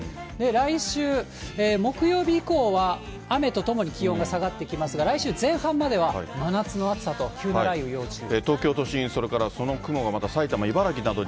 来週木曜日以降は、雨とともに気温が下がってきますが、来週前半までは真夏の暑さと急な雷雨、要注意。